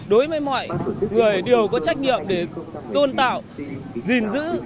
đối với mọi người đều có trách nhiệm để tôn tạo dình dữ